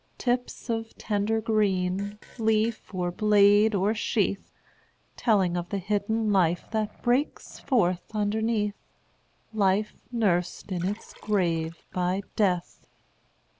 Tips of tender green, Leaf, or blade, or sheath; Telling of the hidden life That breaks forth underneath, Life nursed in its grave by Death.